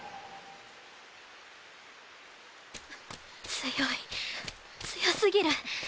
強い強すぎる